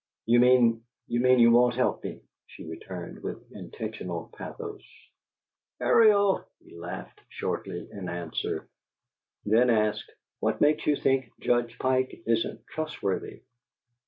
"You mean you mean you won't help me?" she returned, with intentional pathos. "Ariel!" he laughed, shortly, in answer; then asked, "What makes you think Judge Pike isn't trustworthy?"